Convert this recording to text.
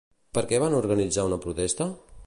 Per què van organitzar una protesta?